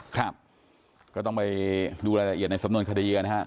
ครับก็ต้องไปดูรายละเอียดในสำนวนคดีกันนะครับ